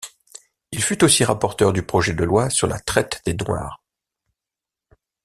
Il fut aussi rapporteur du projet de loi sur la traite des noirs.